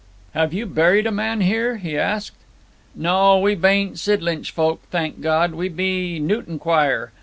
'Have you buried a man here?' he asked. 'No. We bain't Sidlinch folk, thank God; we be Newton choir.